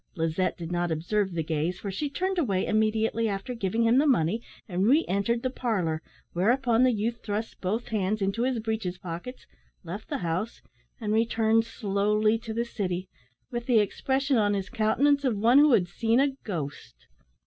Lizette did not observe the gaze, for she turned away immediately after giving him the money, and re entered the parlour, whereupon the youth thrust both hands into his breeches pockets, left the house, and returned slowly to the city, with the expression on his countenance of one who had seen a ghost.